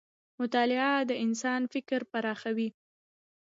مطالعه د انسان فکر پراخوي.